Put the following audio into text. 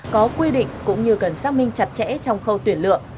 có quy định cũng như cần xác minh chặt chẽ trong khâu tuyển lựa